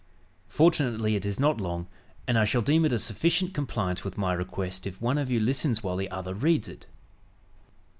Fortunately it is not long, and I shall deem it a sufficient compliance with my request if one of you listens while the other reads it."